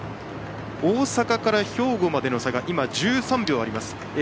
大阪から兵庫までの差が今、１３秒あります。